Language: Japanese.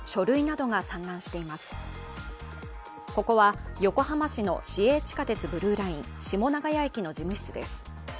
ここは、横浜市の市営地下鉄ブルーライン・下永谷駅の事務室です。